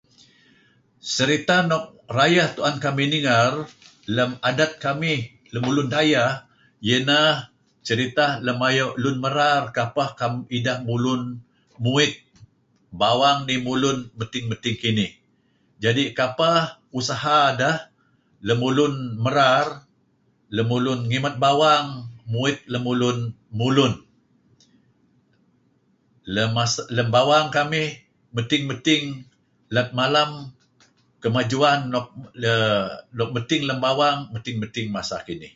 Seriteh nuk rayeh tu'en kamih ni'nger lem adat kamih lemulun dayeh ieh ineh seriteh lem ayu lun merar kapeh ideh mulun muit bawang dih mulun medting medting kinih jadi kepeh usaha deh lemulun merar lemulun ngimet bawang muit lemulun mulun lem masa lem bawang kamih medting medting let malem kemajuan nuk um nuk medting lem bawang medting-medting masa kinih